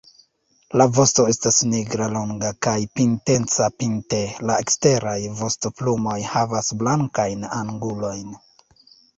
La vosto estas nigra, longa, kaj pinteca pinte; la eksteraj vostoplumoj havas blankajn angulojn.